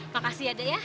makasih ya dek ya